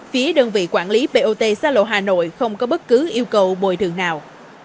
phía đơn vị quản lý bot xa lộ hà nội không có bất cứ yêu cầu bồi thường nào